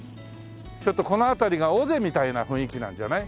ちょっとこの辺りが尾瀬みたいな雰囲気なんじゃない？